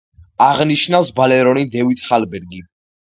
აღნიშნავს ბალერონი დევიდ ჰალბერგი.